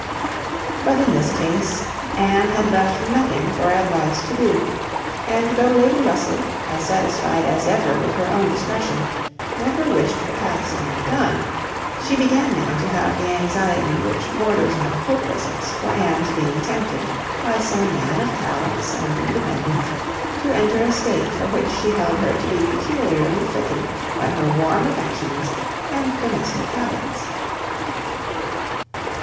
But in this case, Anne had left nothing for advice to do; and though Lady Russell, as satisfied as ever with her own discretion, never wished the past undone, she began now to have the anxiety which borders on hopelessness for Anne's being tempted, by some man of talents and independence, to enter a state for which she held her to be peculiarly fitted by her warm affections and domestic habits.